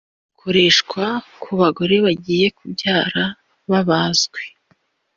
bukoreshwa ku bagore bagiye kubyara babazwe